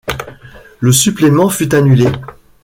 Le supplément fut annulé.